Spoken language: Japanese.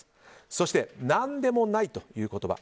そして何でもないという言葉。